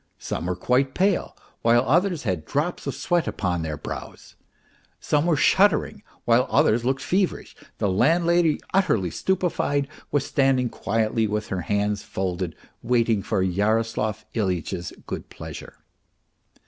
Some were quite pale, while others had drops of sweat upon their brows : some were shuddering, while others looked feverish. The landlady, utterly stupefied, was stand ing quietly with her hands folded waiting for Yaroslav Ilyitch's good pleasure.